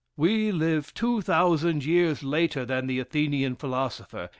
We live 2000 years later than the Athenian philosopher.